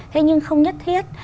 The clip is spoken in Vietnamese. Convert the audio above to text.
thế nhưng không nhất thiết